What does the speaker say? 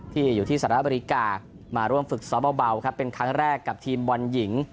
ที่อยู่ที่สหรัฐอเมริกามาร่วมฝึกซ้อมเบาครับเป็นครั้งแรกกับทีมบอลหญิง